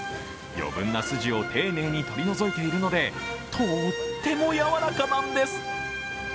余分な筋を丁寧に取り除いているので、とってもやわらかなんです。